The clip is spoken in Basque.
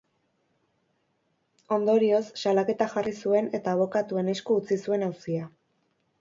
Ondorioz, salaketa jarri zuen eta abokatuen esku utzi zuen auzia.